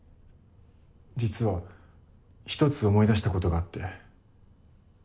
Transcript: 実は１つ思い出したことがあって。